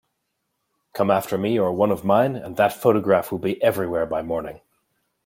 Come after me or one of mine, and that photograph will be everywhere by morning.